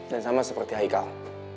dan sama seperti haikal